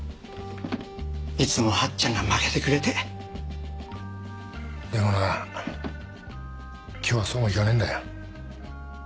いつも八っちゃんが負けてくれてでもな今日はそうもいかねぇんだよ